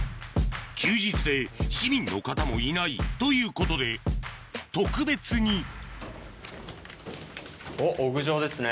休日で市民の方もいないということで特別におっ屋上ですね。